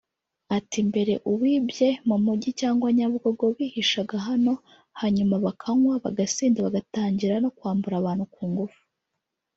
Ati “Mbere uwibye mu mujyi cyangwa Nyabugogo bihishaga hano hanyuma bakanywa bagasinda bagatangira no kwambura abantu ku ngufu